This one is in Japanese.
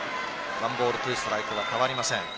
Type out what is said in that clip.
１ボール２ストライクは変わりません。